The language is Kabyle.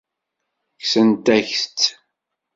Kksent-ak-tt.